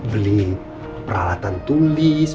beli peralatan tulis